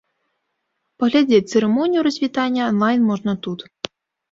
Глядзець цырымонію развітання анлайн можна тут.